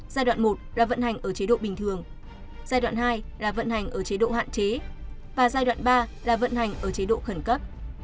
giai đoạn một là vận hành ở chế độ bình thường giai đoạn hai là vận hành ở chế độ hạn chế và giai đoạn ba là vận hành ở chế độ khẩn cấp